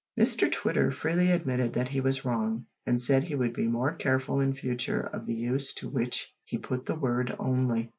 Mr Twitter freely admitted that he was wrong, and said he would be more careful in future of the use to which he put the word "only."